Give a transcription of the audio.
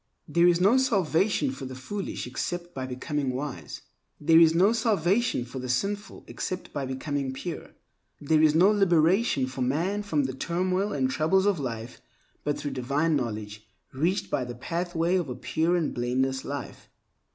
There is no salvation for the foolish except by becoming wise. There is no salvation for the sinful except by becoming pure. There is no liberation for man from the turmoil and troubles of life but through divine knowledge reached by the pathway of a pure and blameless life.